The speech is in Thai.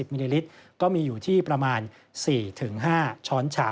มิลลิลิตรก็มีอยู่ที่ประมาณ๔๕ช้อนชาม